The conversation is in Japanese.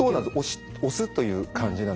押すという感じなんですね。